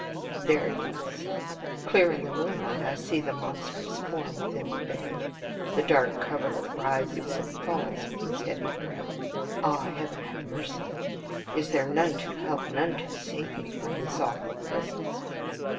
There it is! Clear in the moonlight I see the monstrous form within the bed, the dark coverlet rises and falls with its heaving breath. ... Ah! heaven have mercy! Is there none to help, none to save me from this awful presence?